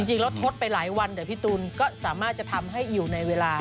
มันนะต้นไปหลายวันแต่พี่ตูนสามารถจะทำให้อยู่ในเวลา